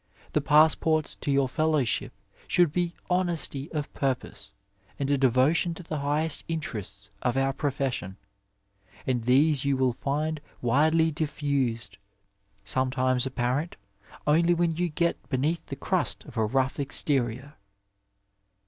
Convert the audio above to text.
The pass ports to your fellowship should be honesty of purpose and a devotion to the highest interests of our profession, and these you will find widely diffused, sometimes apparent only when you get beneath the crust of a rough exterior.